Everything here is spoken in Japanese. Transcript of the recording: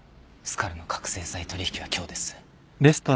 スカルの覚醒剤取引は今日です。